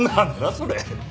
それ。